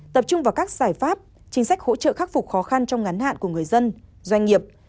tập trung vào các giải pháp chính sách hỗ trợ khắc phục khó khăn trong ngắn hạn của người dân doanh nghiệp